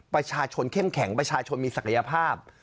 ประชาชนเข้มแข็งประชาชนมีศักยภาพ